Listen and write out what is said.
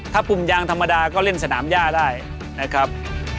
ถ้าปุ่มยางธรรมดาก็เล่นสนามย่าได้นะครับ